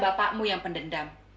sejak bapakmu yang pendendam